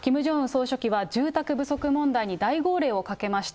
総書記は住宅不足問題に大号令をかけました。